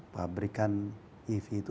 pabrikan ev itu